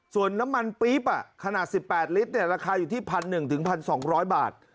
ส่วนน้ำมันปี๊บขนาด๑๘ลิตรราคาอยู่ที่๑๑๒๐๐บาท